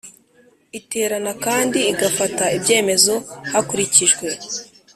Iterana kandi igafata ibyemezo hakurikijwe